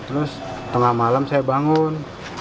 terus tengah malam saya bangun